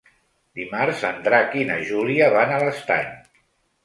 Dimarts en Drac i na Júlia van a l'Estany.